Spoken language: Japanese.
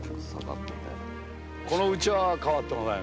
このうちは変わってません。